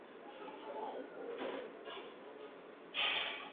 Baada ya Saudi kumuua kiongozi maarufu wa kishia, aliyejulikana kama Nimr al-Nimr.